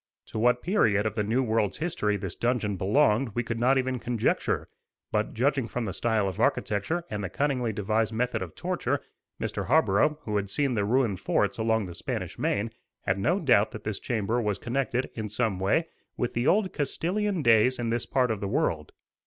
To what period of the New World's history this dungeon belonged we could not even conjecture; but, judging from the style of architecture and the cunningly devised method of torture, Mr. Harborough, who had seen the ruined forts along the Spanish Main, had no doubt that this chamber was connected, in some way, with the old Castilian days in this part of the world.